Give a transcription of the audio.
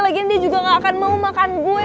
lagian dia juga ga akan mau makan gue